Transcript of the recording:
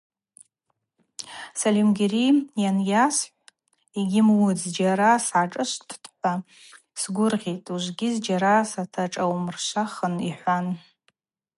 Сальымгьари йанйасхӏв йгьйымуытӏ: – Зджьара сгӏашӏышвттӏ-хӏва сгвыргъьитӏ, ужвыгьи зджьара саташӏаумыршвахын, – йхӏван.